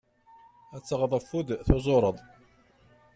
Ad taɣeḍ afud tuẓureḍ.